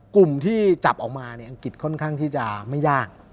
กลุ่มที่จับออกมาอังกฤษค่อนข้างที่จะไม่ยาก